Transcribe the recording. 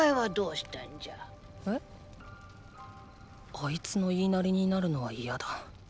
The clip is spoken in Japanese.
あいつの言いなりになるのは嫌だ。